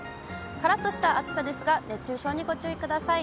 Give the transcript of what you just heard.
からっとした暑さですが、熱中症にご注意ください。